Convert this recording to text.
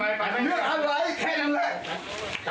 ไม่เอาไม่เอาไม่เอา